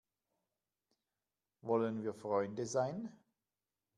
Wollen wir Freunde sein?